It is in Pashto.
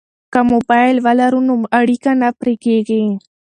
که موبایل ولرو نو اړیکه نه پرې کیږي.